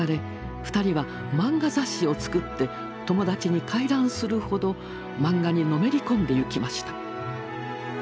２人は漫画雑誌を作って友達に回覧するほど漫画にのめり込んでいきました。